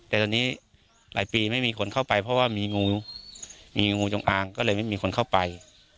แต่ตอนนี้หลายปีไม่มีคนเข้าไปเพราะว่ามีงูมีงูจงอางก็เลยไม่มีคนเข้าไป